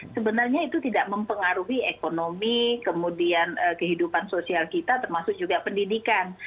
sebenarnya itu tidak mempengaruhi ekonomi kemudian kehidupan sosial kita termasuk juga pendidikan